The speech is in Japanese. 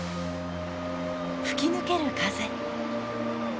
吹き抜ける風。